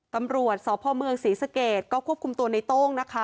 ตำรวจสพเมืองศรีสเกตก็ควบคุมตัวในโต้งนะคะ